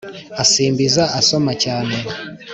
ansimbiza ansoma cyane